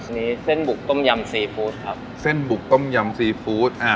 อันนี้เส้นบุกต้มยำซีฟู้ดครับเส้นบุกต้มยำซีฟู้ดอ่า